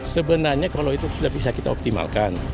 sebenarnya kalau itu sudah bisa kita optimalkan